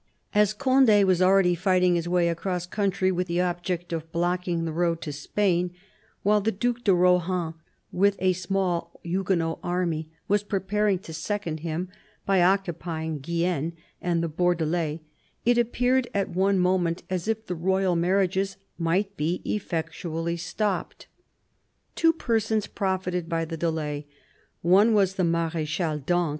As Conde was already fighting his way across country with the object of blocking the road to Spain, while the Due de Rohan, with a small Huguenot army, was preparing to second him by occupying Guienne and the Bordelais, it appeared at one moment as if the royal marriages might be effectually stopped. Two persons profited by the delay. One was the Marechale d'Ancre.